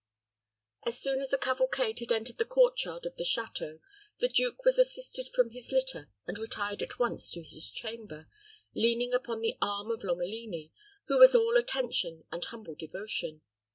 As soon as the cavalcade had entered the court yard of the château, the duke was assisted from his litter, and retired at once to his chamber, leaning upon the arm of Lomelini, who was all attention and humble devotion.